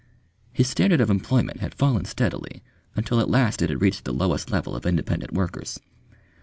His standard of employment had fallen steadily until at last it had reached the lowest level of independent workers.